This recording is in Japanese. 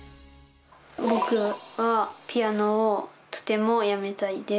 僕はピアノをとてもやめたいです。